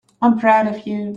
I'm proud of you.